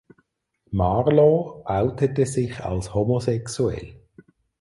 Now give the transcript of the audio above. Marlow outete sich als homosexuell.